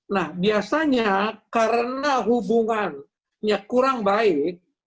nah biasanya karena hubungannya kurang baik